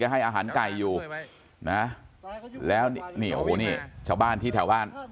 ให้อาหารไก่อยู่นะแล้วนี่โอ้โหนี่ชาวบ้านที่แถวบ้าน